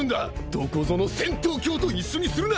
どこぞの戦闘狂と一緒にするな！